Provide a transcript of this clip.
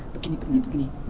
begini begini begini